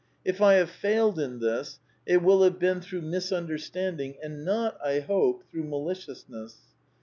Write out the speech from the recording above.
If I have failed in this, it will have been through misunderstanding, and not, I hope, through ^^malicious ness."